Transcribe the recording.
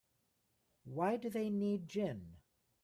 Why do they need gin?